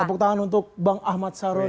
tepuk tangan untuk bang ahmad saron